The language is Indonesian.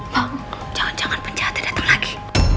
bang jangan jangan penjahatnya datang lagi